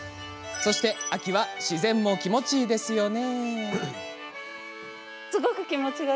そして秋は気持ちがいいですよね。